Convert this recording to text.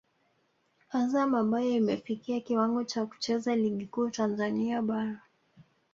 Azam ambayo imefikia kiwango cha kucheza ligi kuu Tanzania bara